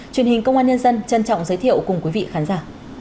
truyền hình công an nhân dân trân trọng giới thiệu cùng quý vị khán giả